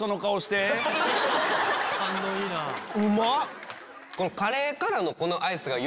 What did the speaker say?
うまっ！